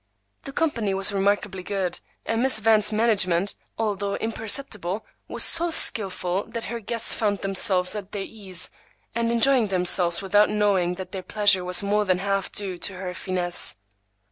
The company was remarkably good, and Miss Van's management, although imperceptible, was so skilful that her guests found themselves at their ease, and enjoying themselves, without knowing that their pleasure was more than half due to her finesse.